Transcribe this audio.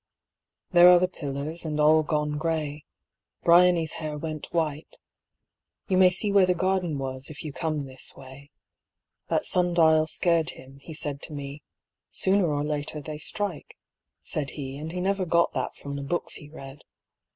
There are the pillars, and all gone gray. Briony's hair went white. You may see Where the garden was if you come this way. That sun dial scared him, he said to me; "Sooner or later they strike," said he, And he never got that from the books he read.